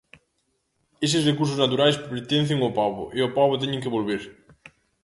Eses recursos naturais pertencen ao pobo e ao pobo teñen que volver.